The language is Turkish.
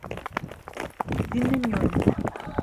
Dinlemiyorum.